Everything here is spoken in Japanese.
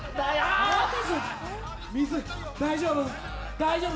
大丈夫？